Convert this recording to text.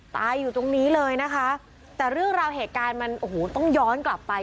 ตายอยู่ตรงนี้เลยนะคะแต่เรื่องราวเหตุการณ์มันโอ้โหต้องย้อนกลับไป